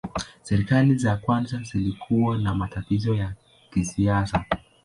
Serikali za kwanza zilikuwa na matatizo ya kisiasa.